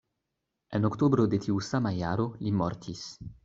En oktobro de tiu sama jaro li mortis.